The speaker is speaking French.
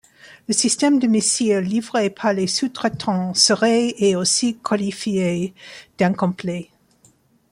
Le système de missiles livré par les sous-traitants serait et est aussi qualifié d'incomplet.